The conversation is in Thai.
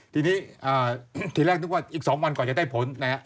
ทีนี้ทีแรกนึกว่าอีก๒วันก่อนจะได้ผลนะฮะ